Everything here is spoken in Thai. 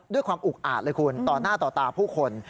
ด้วยความอุกอาจเลยคุณต่อหน้าต่อตาผู้คน